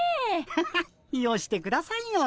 ハハッよしてくださいよ。